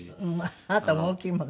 あなたも大きいもんね。